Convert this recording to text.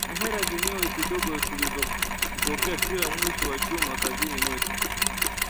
na hela zenyewe kidogo tulizozipokea kila mwisho wa jumaa kazini kwetu